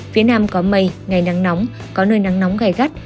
phía nam có mây ngày nắng nóng có nơi nắng nóng gai gắt